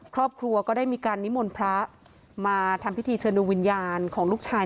ครอบครัวก็ได้มีการนิมนต์พระมาทำพิธีเชิญดูวิญญาณของลูกชาย